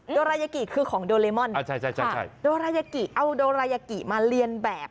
โดรายากิคือของโดเรมอนโดรายากิเอาโดรายากิมาเรียนแบบ